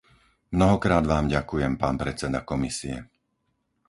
Mnohokrát vám ďakujem, pán predseda Komisie.